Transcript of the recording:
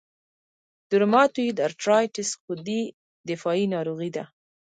د روماتویید ارترایټرایټس خودي دفاعي ناروغي ده.